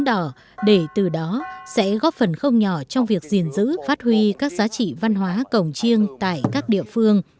để từ đó sẽ góp phần không nhỏ trong việc gìn giữ phát huy các giá trị văn hóa cổng chiêng tại các địa phương